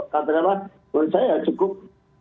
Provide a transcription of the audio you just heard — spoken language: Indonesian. katakanlah menurut saya cukup